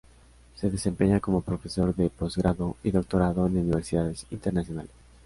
Se desempeña como profesor de posgrado y doctorado en universidades internacionales.